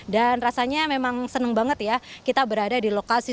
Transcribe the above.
dan rasanya memang senang banget ya kita berada di lokasi